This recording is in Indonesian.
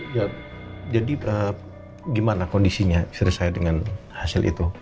ya jadi gimana kondisinya istri saya dengan hasil itu